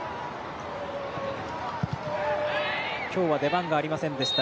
今日は出番がありませんでした